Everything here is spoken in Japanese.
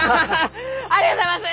ありがとうございます！